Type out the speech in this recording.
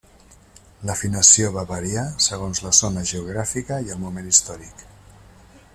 L'afinació va variar segons la zona geogràfica i el moment històric.